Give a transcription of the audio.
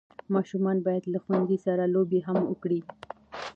ماشومان باید له ښوونځي سره لوبي هم وکړي.